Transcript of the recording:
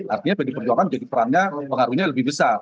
artinya pdi perjuangan jadi perannya pengaruhnya lebih besar